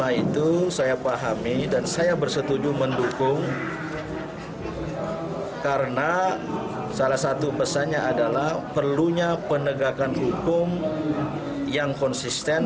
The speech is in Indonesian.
nah itu saya pahami dan saya bersetuju mendukung karena salah satu pesannya adalah perlunya penegakan hukum yang konsisten